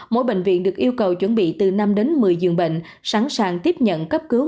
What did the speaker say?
mỗi bệnh viện được yêu cầu chuẩn bị từ năm đến một mươi giường bệnh sẵn sàng tiếp nhận cấp cứu